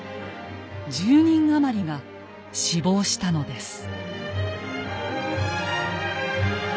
１０人余りが死亡したのです。